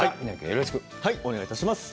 よろしくはいお願い致します